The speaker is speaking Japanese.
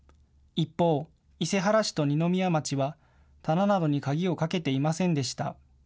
一方、伊勢原市と二宮町は棚などに鍵をかけていませんでした。